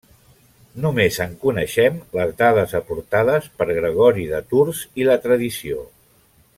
Només en coneixem les dades aportades per Gregori de Tours i la tradició.